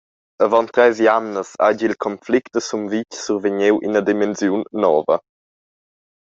Avon treis jamnas hagi il conflict a Sumvitg survegniu ina dimensiun nova.